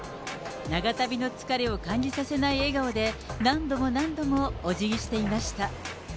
長旅の疲れを感じさせない笑顔で、何度も何度もお辞儀していました。